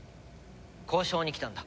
交渉に来たんだ。